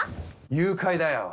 誘拐だよ！